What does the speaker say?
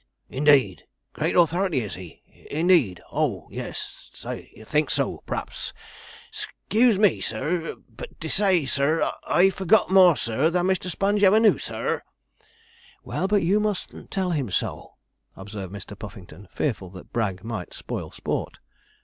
'Indeed great authority is he indeed oh yes thinks so p'raps sc e e use me, sir, but des say, sir, I've forgot more, sir, than Mr. Sponge ever knew, sir.' 'Well, but you mustn't tell him so,' observed Mr. Puffington, fearful that Bragg might spoil sport.